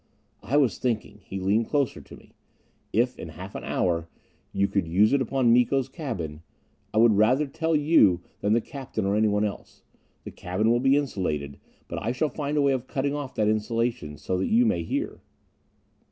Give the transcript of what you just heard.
"I was thinking...." He leaned closer toward me. "If, in half an hour, you could use it upon Miko's cabin I would rather tell you than the captain or anyone else. The cabin will be insulated, but I shall find a way of cutting off that insulation so that you may hear."